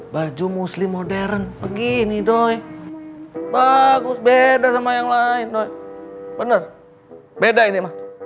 baju muslim modern begini doy bagus beda sama yang lain bener beda ini mah